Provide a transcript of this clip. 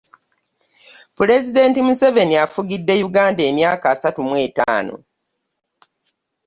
Pulezidenti museveniba afugidde uganda emyaka assatu mu attaano.